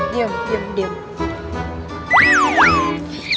diam diam diam